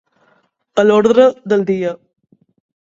A l'ordre del dia.